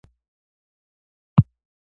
آیا د ژبې او کلتور مشترکات ډیر نه دي؟